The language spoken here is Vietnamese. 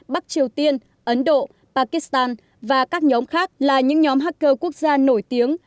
bắc triều tiên ấn độ pakistan và các nhóm khác là những nhóm hacker quốc gia nổi tiếng